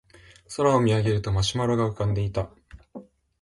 空を見上げるとマシュマロが浮かんでいた